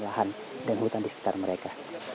termasuk ancaman pembukaan lahan dan hutan di sekitar mereka